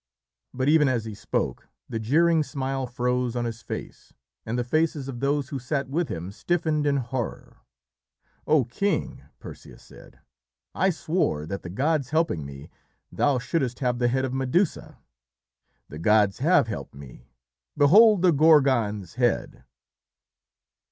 But even as he spoke, the jeering smile froze on his face, and the faces of those who sat with him stiffened in horror. "O king," Perseus said, "I swore that, the gods helping me, thou shouldst have the head of Medusa. The gods have helped me. Behold the Gorgon's head."